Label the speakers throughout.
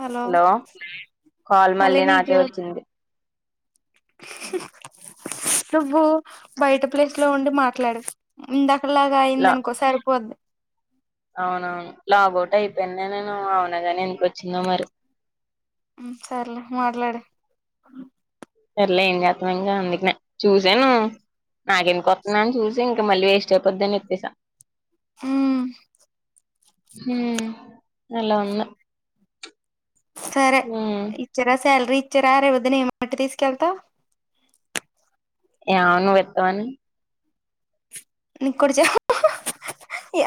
Speaker 1: Hello
Speaker 2: call
Speaker 1: మళ్లీ
Speaker 2: మళ్ళీ నాకే
Speaker 1: నీకే వ
Speaker 2: వచ్చింది
Speaker 1: నువ్వు బయట ప్లేస్ లో ఉండి మాట్లాడు. ఇందకడ లాగా
Speaker 2: లా
Speaker 1: అయిందనుకో సరిపోద్
Speaker 2: అవునవును లాగౌట్ అయిపోయిన్నే నేను, అవునా గాని ఎందుకచ్చిందో మరి.
Speaker 1: సర్లే మాట్లాడు
Speaker 2: సర్లే ఏం చేత్తన్నావ్ ఇంగ, అందుకనే చూసాను నాకెందుకు అతుందని చూసి ఇంకా మళ్ళీ వేస్ట్ అయిపోద్దని ఎత్తేసా.
Speaker 1: ఉమ్
Speaker 2: హ్మ్ అలా ఉన్నా
Speaker 1: సరే ఇచ్చారా సాలరీ ఇచ్చారా, రే వదిని ఏమట్టి తీసుకెళ్తావ్
Speaker 2: యా నువ్వు ఇత్తావని
Speaker 1: నీకు కూడా చ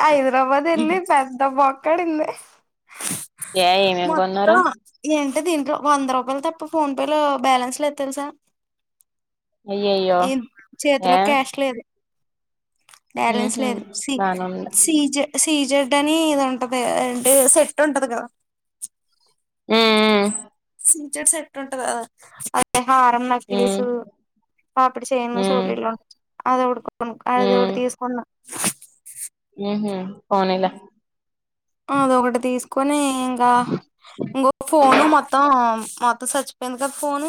Speaker 1: హైదరాబాద్ ఎల్లి పెద్ద బొక్ కడింది
Speaker 2: ఏ ఏమేం కొన్నారు
Speaker 1: మొత్తం ఎం టే దీంట్లో వంద రూపాలు తప్ప ఫోన్ పే లో బ్యాలెన్స్ లేదు తెలుసా?
Speaker 2: అయ్యయ్యో
Speaker 1: ఏమ్
Speaker 2: ఏ
Speaker 1: చేతిలో క్యాష్ లేదు బ్యాలెన్స్
Speaker 2: ఉహు
Speaker 1: లేదు సీ
Speaker 2: బానే ఉంది
Speaker 1: సీజ సీజర్ అని ఇది ఉంటది అంటే సెట్ ఉంటది కదా
Speaker 2: ఉం ఉం
Speaker 1: ఫీచర్స్ సెట్ ఉంటది కధ హారం
Speaker 2: ఉమ్
Speaker 1: నక్లీీస్ పాపిడి చేను
Speaker 2: ఉమ్
Speaker 1: చోల్లిలో అద అదొటి తీసుకున్న
Speaker 2: హమ్ పోనీలే
Speaker 1: అదొకటి తీసుకొని ఇంకా ఇంకో ఫోను మొత్తం మత్త చచ్చిపోయింది క ఫోన్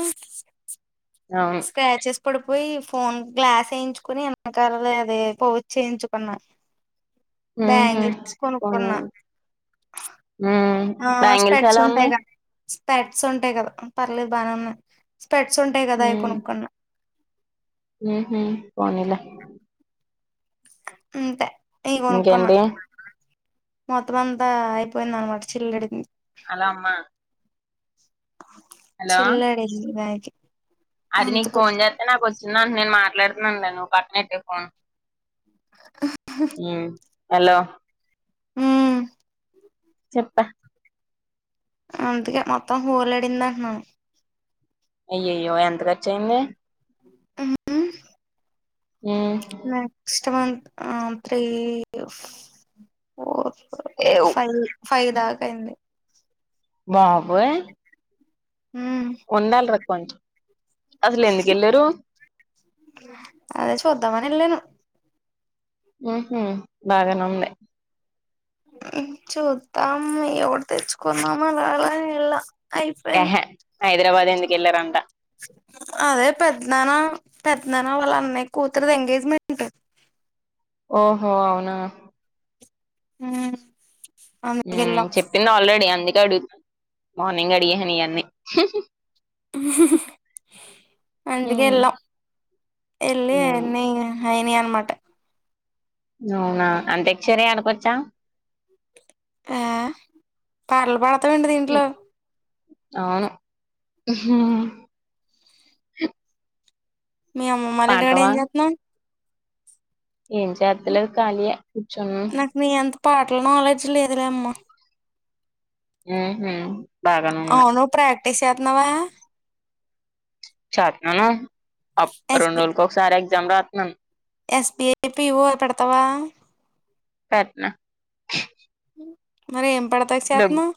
Speaker 2: అవును
Speaker 1: స్కచెస్ ఇప్పుడు పోయి ఫోన్ గ్లాస్ వేయించుకుని ఎనకాలలే అదే పౌచ్ చేయించుకున్నా
Speaker 2: ఉహు
Speaker 1: బ్యాంగిల్స్
Speaker 2: పోనీ
Speaker 1: కొనుక్కున్నా
Speaker 2: హ్మ్
Speaker 1: ఆ
Speaker 2: బ్యాంగిల్స్
Speaker 1: స్పెట్స్
Speaker 2: ఎలా ఉన్నాయి
Speaker 1: ఉంటాయిగా స్పెట్స్ ఉంటాయి కదా పర్లేదు బాగానే ఉన్నాయి స్పెట్స్ ఉంటాయి కదా అవి కొనుక్కున్నా
Speaker 2: హు హమ్ పోనీలే
Speaker 1: అంతే ఇవి కొనుక్కున్నా
Speaker 2: ఇంకేంటి
Speaker 1: మొత్తం అంతా అయిపోయింద అనమాట చిల్ల అడిగింది
Speaker 2: హాలో అమ్మ
Speaker 1: చిల్లడంది బే [unintelligible]
Speaker 2: అది నీకు ఫోన్ చేస్తే నాకు వచ్చిందంట నేను మాట్లాడుతున్నాన్లే నువ్వు పక్కనెట్టేయి ఫోన్ ఉం హలో
Speaker 1: ఉమ్
Speaker 2: చెప్పా
Speaker 1: అందుకే మొత్తం హోలాడింద అంటున్నాను
Speaker 2: అయ్యయ్యో ఎంత రచ్చ అయింది
Speaker 1: ఆ [unintelligible]
Speaker 2: హ్మ్
Speaker 1: నెక్స్ట్ మంత్ ఆ త్రీ ఫోర్
Speaker 2: ఏవ్
Speaker 1: ఫై ఫై దాకా అయింది
Speaker 2: బాబోయి
Speaker 1: ఉమ్
Speaker 2: ఉండాలిరా కొంచం అసలు ఎందుకు వెల్లిరు
Speaker 1: అదే చూద్దామని వెళ్ళాను
Speaker 2: హు హమ్ బాగానే ఉంది
Speaker 1: చూద్దాం ఎదో ఒకటి తెచ్చుకున్నామని అలా వెళ్ళా అయిపోయినయి
Speaker 2: ఎహే హైదరాబాద్ ఎందుకు వెళ్లారంట
Speaker 1: అదే పెద్దనాన్న పెద్దనానా వాళ్ళ అన్నయ్య కూతురది ఎంగేజ్మెంట్
Speaker 2: ఓహో అవునా
Speaker 1: ఉం
Speaker 2: ఉం చెప్పింది ఆల్రెడీ అందుకే అడుగుతున్న మార్నింగ్ అడిగేసాను ఇవన్నీ
Speaker 1: అందుకే
Speaker 2: హ్మ్
Speaker 1: వెళ్ళాము వెళ్లి
Speaker 2: హ్మ్
Speaker 1: అన్ని అయినయి అనమాట
Speaker 2: అవునా అంత ఎచ్చర [unintelligible] ఆడకోొచ్చా
Speaker 1: ఆ పాటలు పాడతావ ఎంటి దీంట్లో
Speaker 2: అవును
Speaker 1: మీ అమ్మమ్మ వాళ్ల ఇంటి కాడ
Speaker 2: పాడతావా
Speaker 1: ఏమ్ చెత్తనవ్
Speaker 2: ఏంచేతలేం ఖాళీయే కూర్చునం
Speaker 1: నాకు నీ అంత పాటల నాలెడ్జ్ లేదులే అమ్మ
Speaker 2: ఉహు బాగానే ఉన్నా
Speaker 1: టేసే తానవ
Speaker 2: చేస్తున్నాను రెండు
Speaker 1: ఎస్బి
Speaker 2: రోజులకి ఒకసారి ఎగ్జామ్ రాతున్నాను
Speaker 1: ఎస్బిఐ పి ఇవో పెడతావా
Speaker 2: పెట్నూ
Speaker 1: మరి ఏం పడతాయి చేతునావ్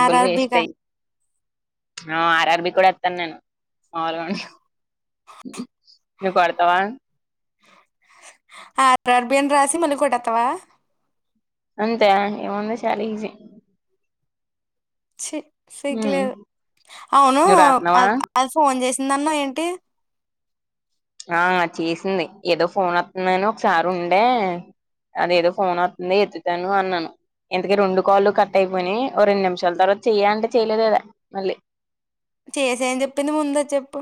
Speaker 1: ఆర్ ఆర్ బీ
Speaker 2: వేస్ట్
Speaker 1: కా
Speaker 2: అయ్యి ఆ ఆర్ ఆర్ బి కూడా వేతను నేను మాములు గానే చు కొడతవా
Speaker 1: ఆ అర్బిన్ రాసి మలి కొటేతావా
Speaker 2: అంతే ఇముంద చాల ఈజీ
Speaker 1: చి సిగు
Speaker 2: ఉమ్
Speaker 1: లేదు అవును
Speaker 2: నువ్వు రాత్నావా
Speaker 1: అది ఫోన్ చేసి ఎందమా ఏంటి
Speaker 2: ఆ చేసింది ఏదో ఫోన్ వస్తుందని ఒకసారి ఉండే అదేదో ఫోన్ వస్తతుతుంద ఎత్తాను అన్నాను ఎందుకే రెండు కాళ్ళు కట్ అయిపోయి ఓ రెండు నిమిషాల తర్వాత చెయ అంటే చెయలేదు కదా మళ్ళీ
Speaker 1: చేసేని చెప్పింది ముందు చెప్పు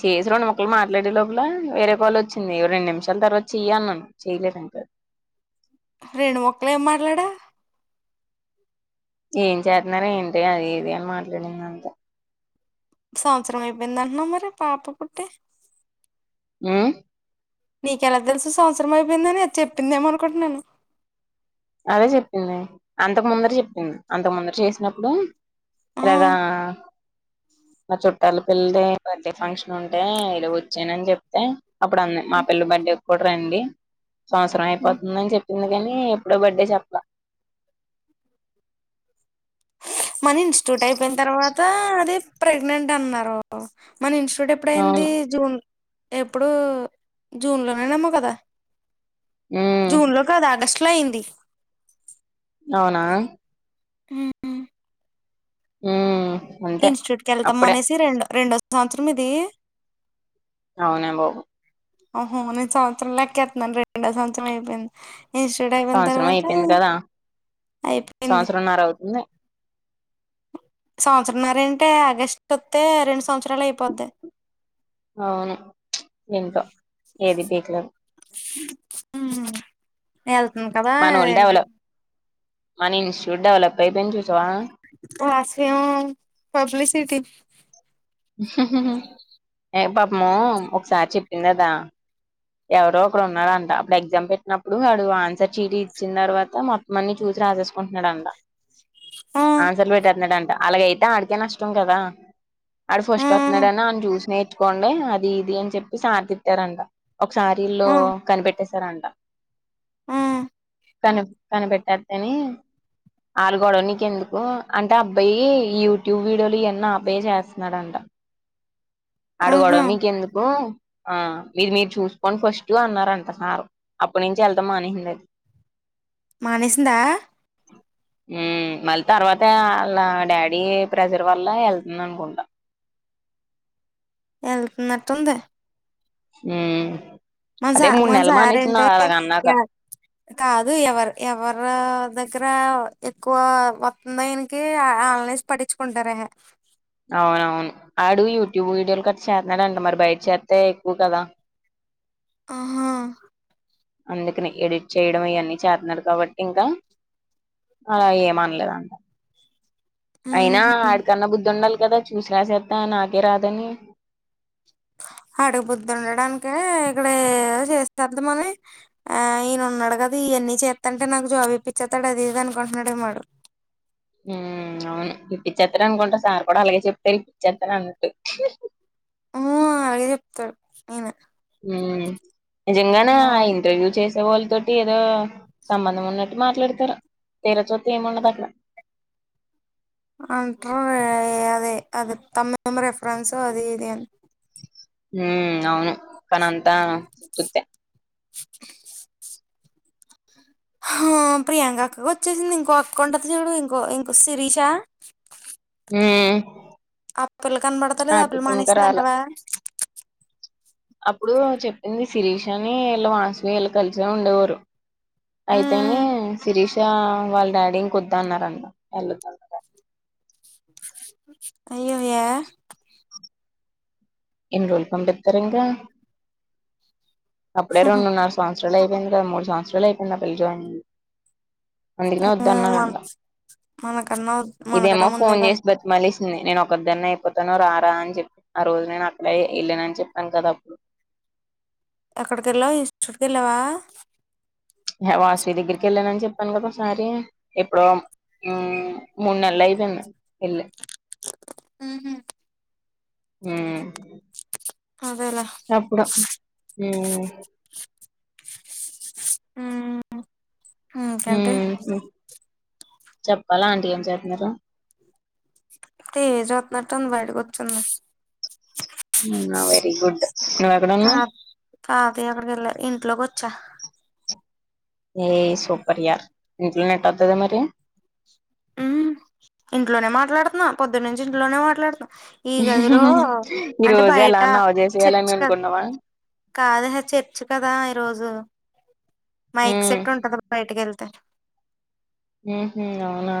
Speaker 2: చేసి రెండు ముక్కలు మాట్లాడే లోపల వేరే వాళ్ళ వచ్చింది రెండు నిమిషాల తర్వాత చెయ్య అన్నాను చేయలేదక
Speaker 1: రెండు ముక్కలు ఏం మాట్లాడావ్
Speaker 2: ఏం చేతున్నారో ఏంటి అది ఏది అని మాట్లాడింది అంతే
Speaker 1: సంవత్సరం అయిపోయింది అంటున్నావ్ మరి పాప పుట్టే
Speaker 2: ఉ
Speaker 1: నీకెలా తెలుసు సంవత్సరం అయిపోయిందని అది చెప్పిందేమో అనుకుంటున్నాను
Speaker 2: అదే చెప్పింది అంతకు ముందర చెప్పింది అంతకు ముందర చేసినప్పుడు ఇగా
Speaker 1: ఆ
Speaker 2: మా చుట్టాల పిల్లది బర్త్డే ఫంక్షన్ ఉంటే ఏదో వచ్చానని చెప్తే అప్పుడు అన్న మా పిల్ల బర్త్డే కూడా రండి సంవత్సరం అయిపోతుందని చెప్పింది కానీ ఇప్పుడు బర్డే చెప్పలా
Speaker 1: మనీ ఇన్స్టిట్యూట్ అయిపోయిన తర్వాత అదే ప్రెగ్నెంట్ అన్నారు, మన ఇన్స్టిట్యూట్ ఎప్పుడైంది
Speaker 2: అవును
Speaker 1: జూన్ ఎప్పుడు జూన్ లోనేనమ్మా కదా
Speaker 2: ఉమ్
Speaker 1: జూన్ లో కాదు ఆగస్టు లో అయింది
Speaker 2: అవునా
Speaker 1: ఉహు
Speaker 2: ఉ
Speaker 1: ఇన్స్టిట్యూట్ క వెళ్తాం అనేసి రెండో రెండో సంవత్సరం ఇది
Speaker 2: అవునే బాబు
Speaker 1: ఓహో నేను సంవత్సరలు లేక్క ఎతున్నాడి రెండో సంవత్సరం అయిపోయింది అన్ని ఇన్స్టటూట్ అయిపోయిన
Speaker 2: సంవత్సరం
Speaker 1: తర్వాత
Speaker 2: అయిపోయింది కదా
Speaker 1: అయిపోయింది
Speaker 2: సంవత్సరంన్నర అవుతుంది
Speaker 1: సంవత్సరంన్నర అంటే ఆగస్టు వస్తతే రెండు సంవత్సరాలు అయిపోది
Speaker 2: అవును ఏంటో ఏది పీక్లేదు
Speaker 1: ఉ వెళ్తుంది కదా
Speaker 2: మనోళ్ళు
Speaker 1: అదేంటి
Speaker 2: డెవలప్ మన ఇస్టిట్యూట్ డావలప్ అయి
Speaker 1: రాసిమ్ పబ్లిసిటీ
Speaker 2: ఏ పాపము ఒకసారి చెప్పిందిదా ఎవరో ఒక్కడు ఉన్నారంట అప్పుడు ఎగ్జామ్ పెట్టినప్పుడు వాడు ఆన్సర్ చీటి ఇచ్చిన తర్వాత మొత్తం అన్ని చూసి రాజేసుకుంటున్నాడంటా
Speaker 1: ఆ
Speaker 2: ఆన్సర్లు పెట్టన్నాడంట అలాగైతే ఆడికే నష్టం కదా ఆడు
Speaker 1: ఆ
Speaker 2: ఫస్ట్ వస్తున్నాడన్న ఆని చూసి నేర్చుకోండి అది ఇది అని చెప్పి సార్ తిట్టారంట ఒకసారి వీలు
Speaker 1: ఆ
Speaker 2: కనిపెట్టేశారంట
Speaker 1: ఆ
Speaker 2: కని కనిపెట్టద్దని ఆళ గొడవ నీకు ఎందుకు అంటే అబ్బాయి ఈ యూట్యూబ్ వీడియోలు ఇవన్న అబ్బాయే చేస్తున్నాడంట అడి
Speaker 1: ఆహా!
Speaker 2: గొడవ మీకెందుకు ఆ మీరు మీరు చూసుకోంని ఫస్ట్ అన్నారు అంట సారు అప్పటి నుంచి వెళ్తాం మానేసింది అది
Speaker 1: మానేసిందా
Speaker 2: ఉ మళ్ళీ తర్వాత వాళ్ళ డాడీ ప్రెజర్ వల్ల వెళ్తుంది అనుకుంటా
Speaker 1: వెళ్తున్నట్టుంది
Speaker 2: ఆ
Speaker 1: మన స మన సార్ అంటే
Speaker 2: అన్నాక
Speaker 1: కాదు ఎవరు ఎవరో దగ్గర ఎక్కువ వత్తందయనికి ఆన్లైన్ పటించుకుంటారే
Speaker 2: అవునవును ఆడు యూట్యూబ్ వీడియోలు కట్ట చేస్తున్నాడంట మరి బయట చేతే ఎక్కువ కదా
Speaker 1: ఆహా
Speaker 2: అందుకని ఎడిట్ చేయడం ఇవన్నీ చేస్తున్నారు కాబట్టి ఇంకా అలా ఏమనలేదంట అయినా
Speaker 1: హుహు.
Speaker 2: ఆడికన్నా బుద్ధి ఉండాలి కదా చూసి రాసేద్దా నాకే రాదని
Speaker 1: అడుగు బుద్ధి ఉండడానికి ఇక్కడ చేస్తారుది మళ్ళీ ఆ ఈయన ఉన్నాడు కదా ఎన్ని చేస్తంటే నాకు జాబ్ ఇప్పించేస్తాడు అది ఇది అనుకుంటున్నాడేమాడు
Speaker 2: అవును ఇప్పచ్చత్తను అనుకుంటా సార్ కూడా అలాగే చెప్తారు ఇప్పిచ్చేత్తను అన్నట్
Speaker 1: ఆ అలాగే చెప్తాడు ఇన
Speaker 2: నిజంగానే ఆ ఇంటర్వ్యూ చేసి వాళతోటి ఏదో సంబంధం ఉన్నట్టు మాట్లాడతారు తీర చుతే ఏమిండదు అక్కడ
Speaker 1: అంటారు అదే అదే తమ రెఫరెన్సు అది ఇది అంత
Speaker 2: హ అవును కనీ అంతా సప్పతే
Speaker 1: ప్రియాంక అక్క వచ్చేసింది ఇంకో అక్కంట చూడు ఇంకో ఇంకో శిరీష
Speaker 2: ఆ
Speaker 1: ఆ పిల్ల కనపడతా లేదు ఆ పిల్ల
Speaker 2: రాలే
Speaker 1: మానేసిందంటవా
Speaker 2: అప్పుడు చెప్పింది శిరీష్ అని ఇలా వాస్వి ఇలా కలిసే ఉండేవారు అయితేనే
Speaker 1: ఉమ్,
Speaker 2: శిరీష వాళ్ళ డాడీ ఇంకొద్దా అన్నారన్న వెళొద్దని
Speaker 1: అయ్యో ఏ
Speaker 2: ఎన్ని రోజలుు పంపిస్తారు ఇంకా అప్పుడే రెండున్నర సంవత్సరాలు అయి మూడు సంవత్సరాలు అయిపోయింది ఆ పిల్ల జోయిన్ అందుకనే వద్దు
Speaker 1: ఉమ్, మన
Speaker 2: అన్నరంట
Speaker 1: మనకన్నా
Speaker 2: ఇదేమో
Speaker 1: మనకన్నా ముందే
Speaker 2: ఫోన్
Speaker 1: కదా
Speaker 2: చేసి బతి మలిసింది నేను ఒకద్దన్న అయిపోతు తను రారా అని చెప్పి ఆ రోజు నేను అక్కడ వెళ్ళన అని చెప్పాను కదా అప్పుడు
Speaker 1: ఎక్కడికెళ్ళావు ఇన్స్టిట్యూట్ కి వెళ్ళావా
Speaker 2: వాష్వి దగ్గరికి వెళ్ళానని చెప్పాను కదా ఒకసారి ఎప్పుడో ఉం మూన్నెలయి పోయింది వెళ్లి
Speaker 1: ఉహు
Speaker 2: ఉహ్
Speaker 1: అదర
Speaker 2: ఉ
Speaker 1: ఉ ఇంకేంటి
Speaker 2: ఉహు చెప్పాలా అంటీ ఏం చేతున్నారు
Speaker 1: టీవీ చూతున్నట్టుంది బయట కూర్చుంది
Speaker 2: అవునా వెరీ గుడ్ నువ్వు
Speaker 1: త
Speaker 2: ఎక్కడున్నావ్
Speaker 1: తాత ఏక్కడికి ఏల్లే ఇంట్లోక్ చహ్
Speaker 2: ఏయ్ సూపర్ యార్ ఇంట్లో నెట్ ఒత్తదా మరి
Speaker 1: ఉ ఇంట్లోనే మాట్లాడుతున్నా పొద్దున్నుంచి ఇంట్లోనే మాట్లాడుతున్నా ఈ గదిలో
Speaker 2: ఈ
Speaker 1: అంటే
Speaker 2: రోజు ఎలా
Speaker 1: బయట
Speaker 2: నవ
Speaker 1: చర్చ
Speaker 2: చేసేయాలని
Speaker 1: కద్
Speaker 2: అనుకున్నావా
Speaker 1: కాదు ఏహే చర్చు కదా ఈరోజు మైక్
Speaker 2: ఉమ్
Speaker 1: సెట్ ఉంటంద గా బయటికేళ్తే
Speaker 2: ఉహు అవునా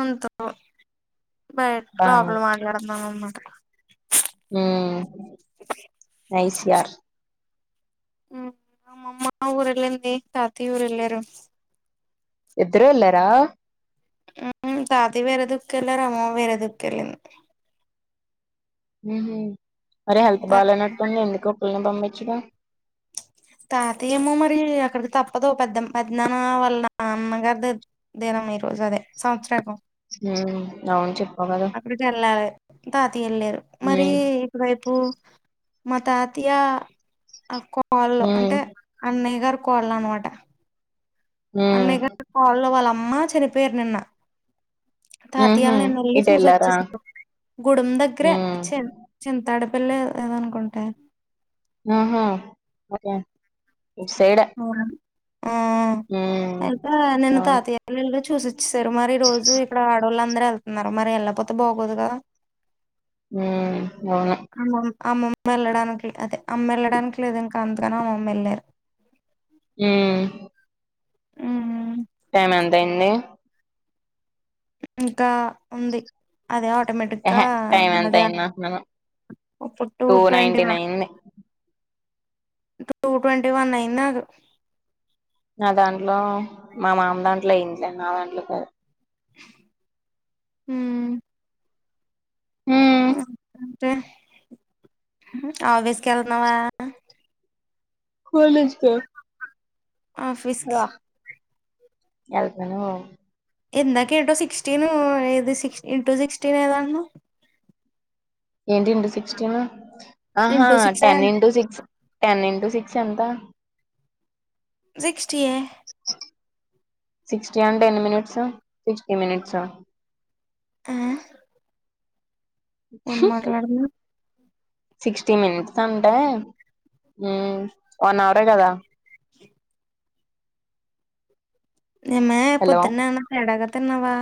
Speaker 1: అంతో బయట
Speaker 2: బాను
Speaker 1: లోపల మాట్లాడున్నా అన్మాట
Speaker 2: ఉ నైస్ యార్
Speaker 1: మా అమ్మ ఊరెళ్ళింది తాతయ్య ఊరెళ్ళారు
Speaker 2: ఇద్దరు ఎల్లారా
Speaker 1: తాతయ్య వేరే దుక్కేళ్ళారు అమ్మ వేర దుక్కెళింది
Speaker 2: మరి హెల్త్ బాలేనట్టుంది ఎందుకు ఒక్కల్నే పంపించడం
Speaker 1: తాతయ్య ఏమో మరి అక్కడికి తప్పదు పెద్ద పెద్నాన్న వళ్ల అమ్మగారిది దినం ఈ రోజు అదే సంవత్సరీకం
Speaker 2: హ్మ్ అవున్ చెప్
Speaker 1: అక్కడికి వెళ్లాలి తాతయ్య ఏళ్ళారు మరి
Speaker 2: ఉమ్
Speaker 1: ఇటువైపు మా తాతయ్య అక్కో వాళ్ళు
Speaker 2: ఉమ్
Speaker 1: అంటే అన్నయ్యగారు కొడలను మాట
Speaker 2: ఉమ్
Speaker 1: అన్నయగారు కోడలు వాళ్ళ అమ్మ చనిపోయారు నిన్న
Speaker 2: ఉహు
Speaker 1: తాతయోళ్లు నిన్నెల్లి
Speaker 2: ఇటు వెళ్ళారా
Speaker 1: చూసోచ్చేరు గూడెం దగ్గరే
Speaker 2: ఉమ్
Speaker 1: చిన్ చింతాడు పెళ్లే ఏదోనుకుంట
Speaker 2: ఆహా ఒకే ఇటు సైడే
Speaker 1: అవునా! ఆ
Speaker 2: ఉమ్
Speaker 1: అయితే నిన్న
Speaker 2: అవును
Speaker 1: తాతయోళ్లు ఎల్ చూసోచ్చేసారు మరి ఈ రోజు ఇక్కడ ఆడోళ్ళు అందరూ వెళ్తున్నారు మరి వెళ్ళపోతే బాగోదు కదా
Speaker 2: హ్మ్ అవును
Speaker 1: అమ్మమ్ అమ్మమ్మ వెళ్ళడానికి అదే అమ్మ వెళ్ళడానికి లేదు ఇంకా అంతకని అమ్మమేళ్ళారు
Speaker 2: హ్మ్
Speaker 1: ఉహు
Speaker 2: టైం ఎంత అయింది
Speaker 1: ఇంకా ఉంది అదే ఆటోమేటిక్గా
Speaker 2: ఎహె టైం ఎంత
Speaker 1: అదే
Speaker 2: అయింది అంటున్నాను
Speaker 1: ఇప్పుడు టూ ట్వంటీ
Speaker 2: నైన్టీన్
Speaker 1: వన్
Speaker 2: అయింది
Speaker 1: టూ ట్వంటీ వన్ అయింది నాకు
Speaker 2: నా దాంట్లో మా మామ దాంట్లో అయిందిలే నా దాంట్లో కాదు
Speaker 1: హ్మ్
Speaker 2: ఉమ్
Speaker 1: ఆ టే ఆఫీస్ కెళ్తున్నావా
Speaker 2: కాలేజ్ కా
Speaker 1: ఆఫీస్కి
Speaker 2: ఎళ్తను
Speaker 1: ఎందాక ఏంటో సిక్స్టీన్ ఏది సిక్స్ ఇంటూ సిక్స్టీన్ ఏదొ అన్నావ్
Speaker 2: ఏంటి ఇంటూ సిక్స్టీన్ ఆహా
Speaker 1: into six
Speaker 2: ten into six ten into six ఎంత
Speaker 1: సిక్స్టీఎ
Speaker 2: సిక్స్టీ అంటె ఎన్ని మినిట్స్ సిక్స్టీ మినిట్స్ ఆ
Speaker 1: ఆ ఏం మాట్లాడుతున్నావ్
Speaker 2: సిక్స్టీ మినిట్స్ అంటే వన్ అవరే కదా
Speaker 1: ఏమే
Speaker 2: హలో
Speaker 1: పొద్దున్నే ఏమన్న తేడాగ తిన్నావా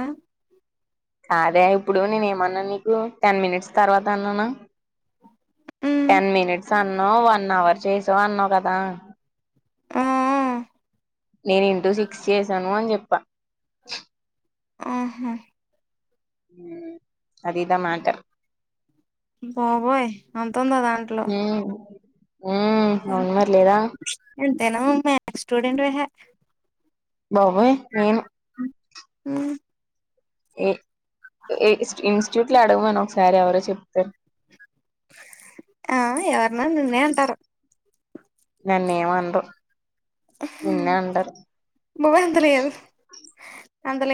Speaker 2: కాదే ఇప్పుడు నేనేమన్న నీకు టెన్ మినిట్స్ తర్వాత అన్నాన
Speaker 1: ఉమ్
Speaker 2: టెన్ మినిట్స్ అన్నావ్ వన్ అవర్ చేసావు అన్నావ్ కదా
Speaker 1: ఉహూ
Speaker 2: నేన్ ఇంటూ సిక్స్ చేసాను అని చెప్ప
Speaker 1: ఆహా
Speaker 2: మ్ అదిదా మ్యాటర్
Speaker 1: బాబోయ్ అంతుందా దాంట్లో
Speaker 2: ఉ అవును మరి లేదా
Speaker 1: తెను మే స్టూడెట్ వేహే
Speaker 2: బాబోయ్ నేను
Speaker 1: మ్
Speaker 2: ఏ ఇన్స్టిట్యూట్ లో అడగమను ఒకసారి ఎవరో చెప్తారు
Speaker 1: ఆ ఎవరన నిన్నే అంటారు
Speaker 2: నన్నేమన్రు.
Speaker 1: అహ బాబోయ్ అంతలేదు అంతలే